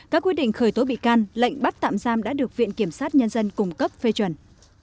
các quy định khởi tố bị can lệnh bắt tạm giam đã được viện kiểm sát nhân dân cung cấp phê chuẩn